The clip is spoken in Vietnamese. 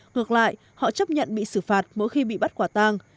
ngược lại họ chấp nhận bị xử phạt mỗi khi bị bắt quả tang